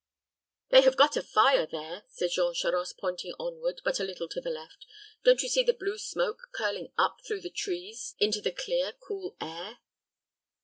"They have got a fire there," said Jean Charost, pointing onward, but a little to the left. "Don't you see the blue smoke curling up through the trees into the clear, cool air?"